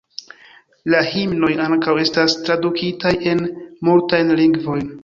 La himnoj ankaŭ estas tradukitaj en multajn lingvojn.